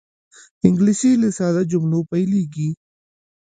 انګلیسي له ساده جملو پیلېږي